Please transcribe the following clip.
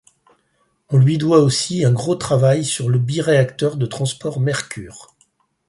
On lui doit aussi un gros travail sur le biréacteur de transport Mercure.